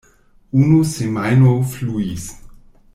Unu semajno fluis.